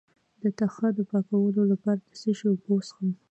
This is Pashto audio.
د تخه د پاکوالي لپاره د څه شي اوبه وڅښم؟